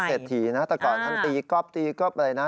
เศรษฐีนะแต่ก่อนท่านตีก๊อบตีก๊อบอะไรนะ